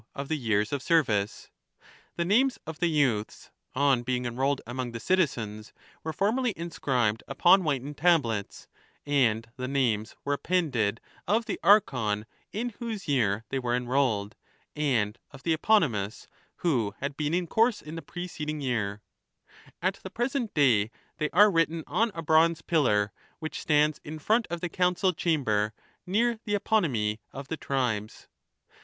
53 1 ATHENIAN CONSTITUTION. 97 The names of the youths, on being enrolled among the citizens, were formerly inscribed upon whitened tablets, and the names were appended of the Archon in whose year they were enrolled, and of the Eponymus who had been in course in the preceding year ; at the present day they are written on a bronze pillar, which stands in front of the Council chamber, near the Eponymi of the tribes.